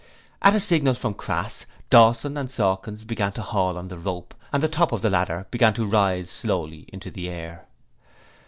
At a signal from Crass, Dawson and Sawkins began to haul on the rope, and the top of the ladder began to rise slowly into the air.